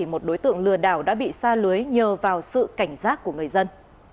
một đối tượng lừa đảo đã bị xa lưới nhờ vào sự cảnh giác của người dân